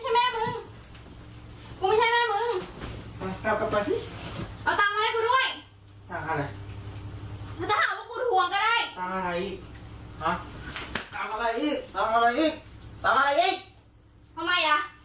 มันจะถามว่ากูห่วงกันเลย